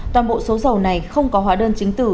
toàn bộ số dầu này không có hóa đơn chính tử